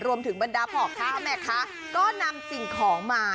รวมถึงบรรดาของชาวแม็คคะก็นำสิ่งของมา